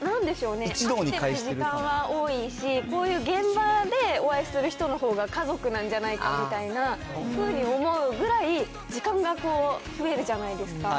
こういう現場でお会いする人のほうが家族なんじゃないかみたいなふうに思うぐらい、時間が増えるじゃないですか。